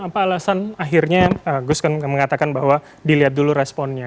apa alasan akhirnya gus mengatakan bahwa dilihat dulu responnya